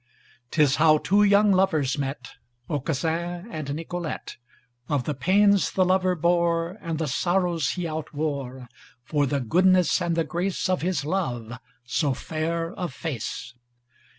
'Tis how two young lovers met, Aucassin and Nicolete, Of the pains the lover bore And the sorrows he outwore, For the goodness and the grace, Of his love, so fair of face.